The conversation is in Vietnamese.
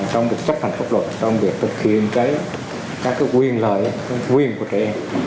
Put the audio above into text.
trong việc chấp hành pháp luật trong việc thực hiện cái các cái quyền lợi quyền của trẻ